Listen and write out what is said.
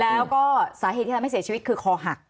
แล้วก็สาเหตุที่ทำให้เสียชีวิตคือคอหัก